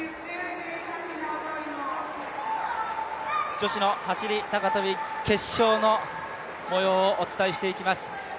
女子の走高跳決勝のもようをお伝えしていきます。